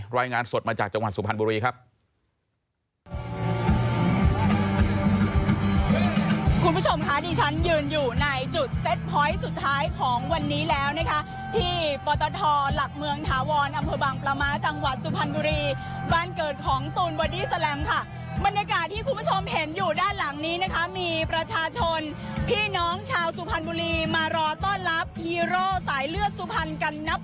รายงานสดมาจากจังหวัดสุพรรณบุรีครับ